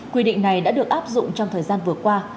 quy định này đã được áp dụng trong thời gian vừa qua